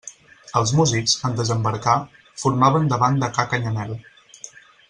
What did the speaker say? Els músics, en desembarcar, formaven davant de ca Canyamel.